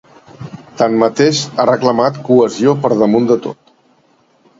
Tanmateix, ha reclamat cohesió per damunt de tot.